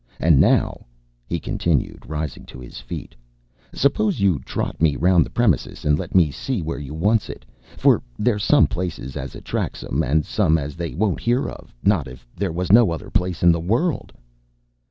And now," he continued, rising to his feet, "suppose you trot me round the premises, and let me see where you wants it; for there's some places as attracts 'em, and some as they won't hear of not if there was no other place in the world."